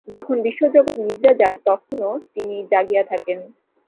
যখন বিশ্ব জগৎ নিদ্রা যায়, তখনও তিনি জাগিয়া থাকেন।